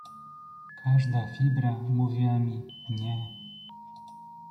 "Każda fibra mówiła mi: nie!"